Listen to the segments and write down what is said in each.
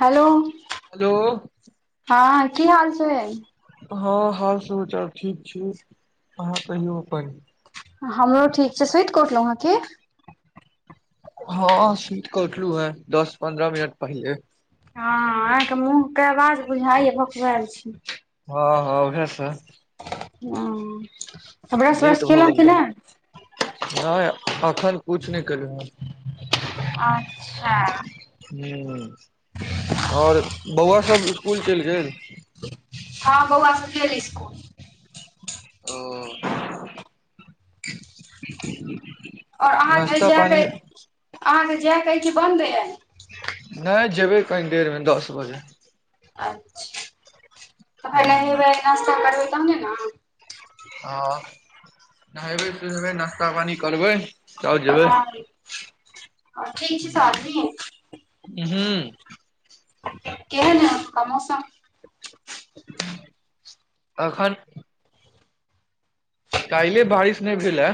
Hello hello हँ की हाल छै हँ हाल समचार ठीक छी अहाँ कहियौ अपन हमहु ठीक छै सुति क उठलहु अहं कि हँ सुति क उठलु है दस पन्द्रह मिनट पहिेले हँ अहाके मुँह के आवाज बुझायइय भकुआयल छी ह, ह भस [unintelligible] लेट व्रश भऽ केलहुँ गेल कि नहि रहै नहि एखन कुछ नहि केलहु हेँ अच्छा। ह आओर बौआ सभ स्कूल चलि गेल हँ बउआ सब गेल स्कूल ओ आओर अहाँकेँ नाश्ता जायके पानी अहाँकेँ जाय कहैत छी बन्द आय नहि जेबै कनी देर मऽ दस बजे अच्छा त फेर हूँ, नहेबै नश्ता करबै तहने ना। हँ नहेबै सोनेबै नास्ता पानी करबै। तब जेबै हथ ईछ साादनी ह हुं केहन हे अता के मौसम एखन। काल्हि बारिश नहि भेल हे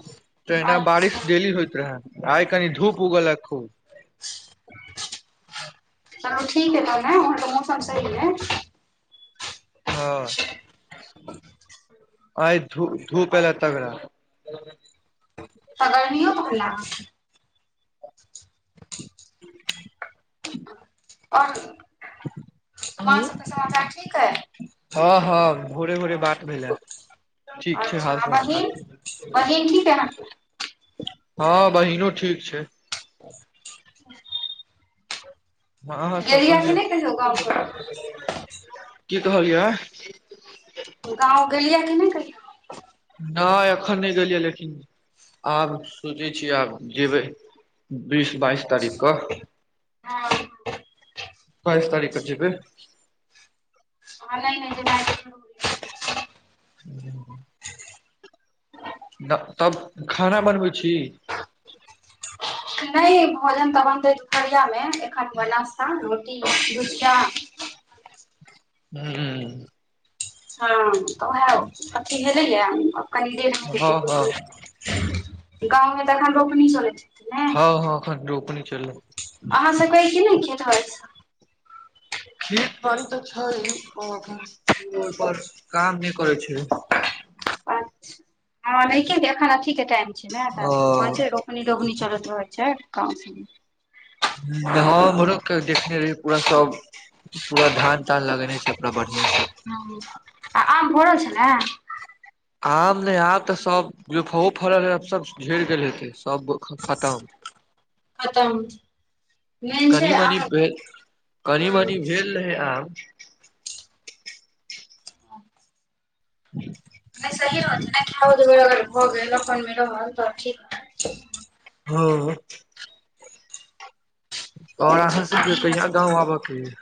तहिना अच्छा बारिश डेली होइत रहे आइ कनी धूप उगल खूब चलो ठीक ह त ह त मौसम सही ह हँ आइ धु धूप आयल तगड़ा तगर नो कहल [inaudible] [inaudible] आओर वहाँ सबके समाचार ठीक अय हँ हँ भोरे भोरे बात भेलल ठीक छै अच्छा हाल आ बहिन समाचार बहिन ठीक अइ अहाँके हँ बहिनो ठीक छै [inaudible] हँ अहाँ सब गेलियै कि कहियौ नहि कहियो गाँव पर? की कहलियै गाव गेललियै कि नहि कहियो नहि एखन नहि गेलियै लेकिन आब सोचै छीय आब जेबै। बीस बाइस तारीखके हँ बे तारीख जेबै। ऑनलाइन मे ह [inaudible] तब खाना बनबै छी नहि भोजन तऽ बनते दुपरिया मे एखन ब नस्ता रोटी [unintelligible] ह [inaudible] हँ तऽ उएह अथी हैय कनि देै हँ हँ गाँमे तऽ एखन रोपनी चलै छै हँ हँ अखन रोपनी चलै अहाँ सभ कहै की ने खेतर खेत बाड़ी तऽ छैख ओहि पर काम नहि करै छै अच्छ ने एखना क टाइम छै ने ओ तऽ कहै छै [unintelligible] रग्नी चरत हो छै क हँ हमरो के देखने रहहि पूरा सब पूरा धान तान लगेने छै पूरा बढ़िया से आम फरल छला। आम ने आब तऽ सब ज फ फड़ल रह आब सब झड़ गेल हेतै सब खतम खतम मेन कनि छै मनी आम भऽ हूँ कनी मनी भेल आ ह [inaudible] नहि सही रह छै ने खाव धब अगर भऽ गेल अपन मे रहल तऽ ठीक। हँ आओर अहाँ सबके कहिया गाँंव आबऽ कऽ य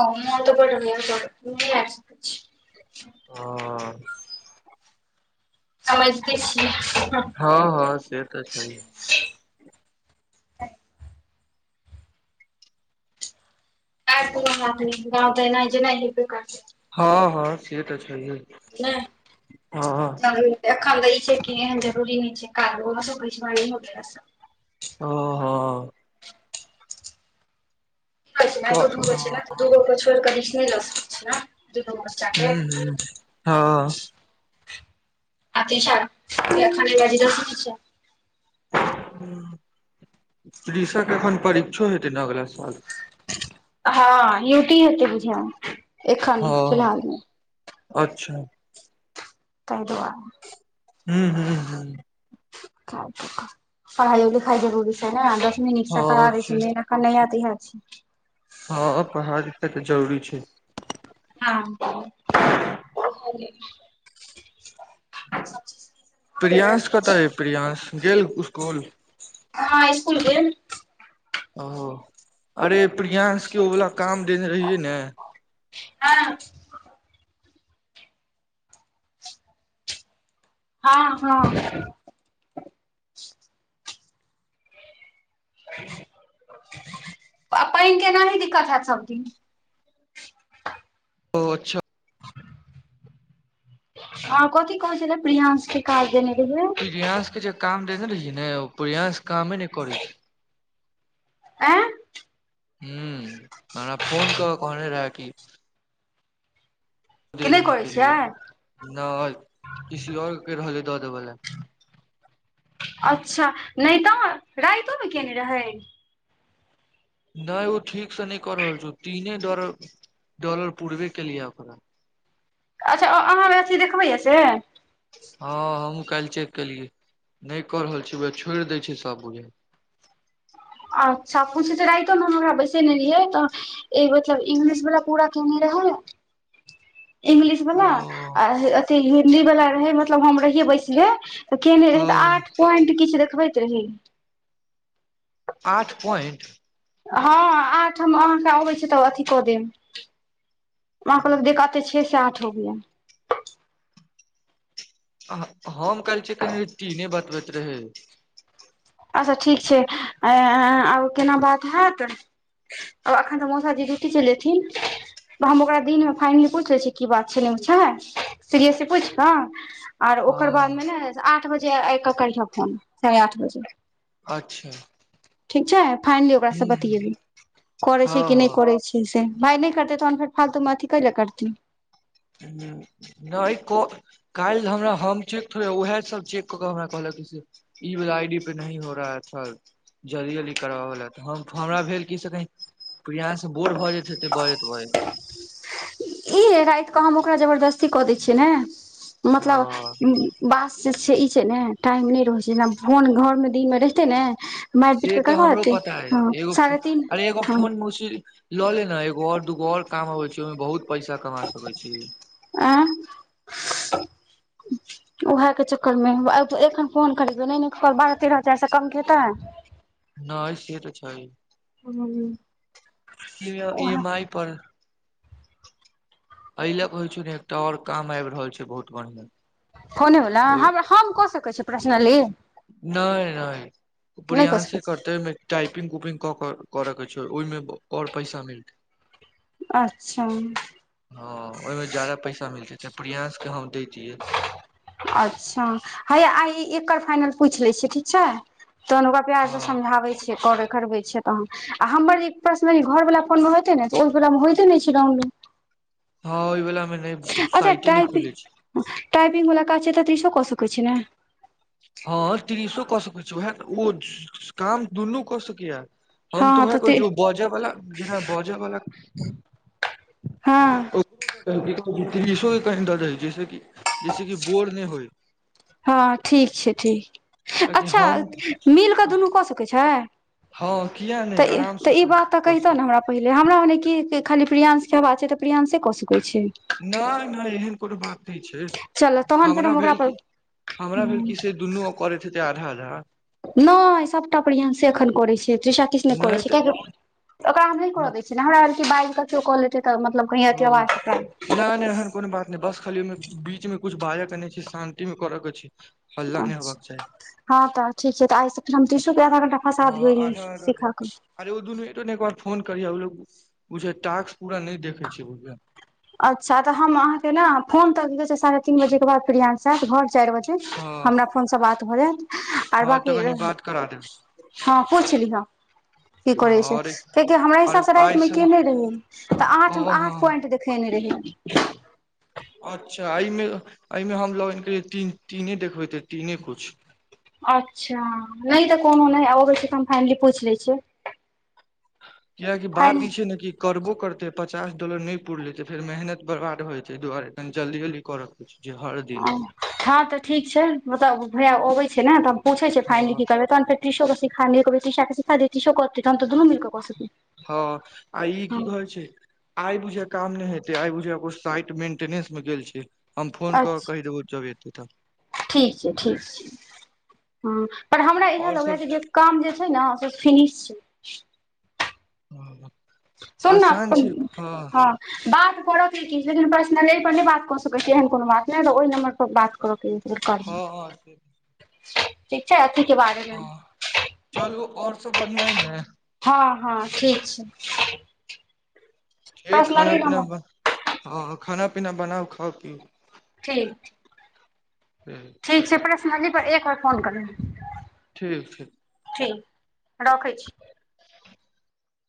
ओ मोन तऽ बढ़ [unintelligible] ओ [inaudible] समझते छियै। हँ हँ से तऽ छय ती गतै नहि जेे नहि ह प्रकार [inaudible] हँ हँ से तऽ छैहै नहि च अखन तऽ ई छै कि एहन जरूरी नहि छै कार ओकै छै हो गेलैस। हं हं हँ दुगो छै ने त दू गो छोर क रिक्श नहि ल स्काई छी ने दु दु गो बच्चाके हँ हँ अति छा अ खान बाजी द सु इच छा [inaudible] तृषा के एखन परीक्षो हेतै ने अगला साल हँ युती ह त बुझा हँ, अच्छा तै दुआरे हू हूू पढ़ायो लिखायो जरुरि छैय ने दस मिनिक्स हँ करा द से छै कनया त इहै छै हँ पढ़ाइ लिखाइ तऽ जरूरी छै ह प्रियंश कतऽ या प्रियंश गेल स्कूल ह, स्कूल के ओ अरे प्रियंश के ओ वाला काम देने रहिय ने आँ [inaudible] हँ हँ [inaudible] पैन के एनाहि दिक्कत हयत सबदिन ओ अच्छा आ कथि कहैयछल प्रियांश के काज देने रह पियंस के जे काम देने रहिय ने पियांस कामे नहि करै छै आ हू हमरा फोन कऽ कहने रह कि कि दे नहि देने करै के लिए छियै न किसी आऔर के रहले दऽ देब लए अच्छा नय तऽ राइतोमे केयने रहै नहि ओ ठीकसँ नहि कऽ रहल छौ तीने डॉर डॉलर पूुरबे केलियै ओरा अच्छा अहाँ अथी देखबैए से हँ हमूँ काल्हि चेक केलियै नहि कऽ रहल छी उ छोड़ि दैत छी सभ कऽ अच्छा पुछ क रातो ने हमरा बैसेने रहियै तऽ ई मतलब इंग्लिश वला पूरा केने रहै इंगलिश ओ वला आ अथी हिन्दी वाला रहै मतलब हम रहियै बैस ले। त केने रहे त हँ आठ पॉइंट किछ देखबैत रहे आठ पॉइन्ट हँ आठम आहाँ के अबैत छी तऽ अथी कऽ देब मह कहल देखातते छे से आठ हो गय [unintelligible] हम कहल छियै कहे टीने बतबैत रहै अच्छा ठीक छै अ आर केना बात हत आब एखन त मौसाजी ड्युटी चल जेथिन हम ओकरा दिनमे फाइनली पूछ लै छियै की बात छै नेछ सीरियसी पूछि कऽ ओर ओकर हँ बादमे ने आठ बजे आब क करिह फोन साढ़े आठ बजे अच्छा ठीक छै फाइनली ओकारा हूँ सँ बतेयेबी करै हँ छै कि हँ नहि करै छै भाइ नय करते तहन फर फालतू मे अथी कै ले करते नहि को काल्हि हमरा हम चेक थोड़े उएह सब चेक कऽ के हमरा कहलक से ई वला आई डी पे नही हो रहा ह सर जल्दी जल्दी करबाबै ल हमरा भेल की से कहीँ पियास से बोर भऽ जाइत हेतै बजैत बहैत ई रात कऽ हम ओकरा जबरदस्ती कऽ दै छियै ने मतलब हँ बास जे छै ई छै ने टाइम नहि रहै छै जेना फोन घरमे दिनमे रहितै ने मारि पीट से कऽ तऽ करबा हमरो देतै पता है हँ एगो फो फोन साढ़े तीन अरे एगो हँ फोन ल ले ने एगो ओर दूगो ओर काम अबे छै ओहिमे बहुत पैसा कमा सकै छी आ [inaudible] उएह के चक्करमे एखन फोन करेके नहि बारह तेरह हजार से कम केतइ नहि से त छै हं ई एम आई पर एहि ले कहे छै ने एकटा और काम आबि रहल छै बहुत बढ़ियां फोने वला हम हम क सकै छियै पर्सनली नहि नहि नहि कऽ बढ़ियाँ सकै से छी करते ह टाइपिंग उपिंग क के करे छै ओहि मे और पैसा मिलतै अच्छा हँ ओहिमें जादा पैसा मिलते ते प्रियंस के हम देैतिये अच्छा हे आ एकर फाइनल पूछि लै छियै ठीक छै तहन ओकरा प्यार से हँ समझाबे छै करे करबे त आ हमर पर्सनल घर वला फोन मे होते ने ओ मे होइते ने छलौ हाल वला मे नहि अच्छा साइट न टाइपिंग खुले छै टाइपिंग बला क छै तऽ दृशो कसो कि छै ने हँ तृषा क सकै छै उएह ओ काम दुनू क सकैए हम तो हँ है तऽ कोइो बजा वला जेना बजा वला हँ ईस कहहि जैसे कि जैसे कि बोर्र नहि होइ [unintelligible] हँ ठीक छै ठीक कियाकि अच्छा हम मिलकेऽ दुनू कऽ सकैत छै हँ किया त नहि ई आराम त से ई बात त कऽ कहितौ सकै ने हमरा पहिले हमरा ओने की खाली प्रियंसके हवा छै तऽ प्रियंशे कऽ सकैत छै नहि नहि एहन कोनो बात है छै चल तहन फेर हमरा हम ओकरा भेल पर हमरा भेल कि से दुनू करत हे तै आधा आधा नहि सभटा प्रियांश एखन करै छै तृषा किछ नहि करे छै कियाकि ओकरा हम न न कर दै छिय जेना हमरा क बइल क केओ कऽ लेतै तऽ मतलब कही अ एत ओ आवास नहि नहि एहन कोनो बात नहि बस खाली ओहि बीच मे कुछ बाजय के नहि छै शान्ती मे करो के छै हल्ला नहि हेबाक चाही अच्छा हँ तऽ ठीक छै तऽ आइ सके हम तीसो के आधा घण्टा फसाद हँ होइ ह आधा आधा दै सिखऽके [unintelligible] अरे दुनू जतन त एक बेर फोन करियो टास्क पूरा नहि देखै छै बुझल न अच्छा त हम अहाँके ने फोन क के साढ़े तीन बजे के बाद प्रियांश से घर चार बजे हँ हमरा फोन सँ बात भ जायत आर हँ बाकी तखन ई बात करा देब हँ पुछ लिह की हँ करै छै आर कियाकि हमरा हिसाब स रैत मे आइस के ने रहै त अहाँ ओ आठ हँ पोइंट दे खैने रहै अच्छा एहिमे एहिमे हम लोगीन तीने देखबे त तीने कुछ अच्छा नहि त कोनो नहि अबै छै त हम फाइनली पूईछ लै छियै कियाकि बात फाइन ई छै ने कि करबो करतै पचास डॉलर नहि पुरलै त फेर मेहनत बर्बाद भजेटए छैहि दुआरे कनि जल्दी जल्दी करत कि झ हर दिन हँ खा त ठीक छै मतलब भैया अबे छै ने त हम पूछे छिये हँ फाइनली की करबै तहन त तृषा क सिखा दी तृषो करते काम त दुनू मिल क हँ ई की कहे छै आइ बुझा काम नै हेते आइ बुझा साइट मेंटेनेंस मे गेल छै हम फोन क कहि अच्छा देबो जब अते त ह पर हमरा इएह लगलै कि जे काम जे छै न से फिनिश छै ह सुन न हँ बात करयत लेकिन पर्सनल ए पर नहि बात क सकैत छी एहन कोनो बात नहि त ओ नम्बर पर बात करत तू कर हँ हँ से ठीक छै अथी के बारेमे हँ चलू और सब बढ़िया ऐ ने हँ हँ ठीक छै ठि खाना पर्सनली पीना नम्बर हँ खाना पीना बनाउ खाउ पी ठीक ह [unintelligible] ठीक छै ‌ पर्सनली पर एक बेर फोन कर ठीक ठीक ठीक रखै छी